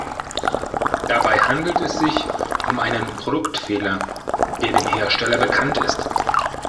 Dabei handelt es sich um einen Produktfehler, der dem Hersteller bekannt ist.